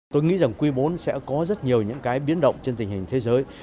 tôi nghĩ rằng quy bốn sẽ có rất nhiều những cái biến động trên tình hình thế giới